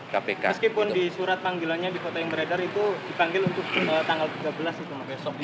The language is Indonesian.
meskipun di surat panggilannya di kota yang beredar itu dipanggil untuk tanggal tiga belas itu besok